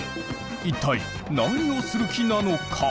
一体何をする気なのか？